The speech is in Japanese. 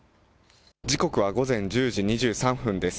時刻は午前１０時２３分です。